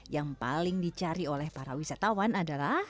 yang paling dicari oleh para wisatawan adalah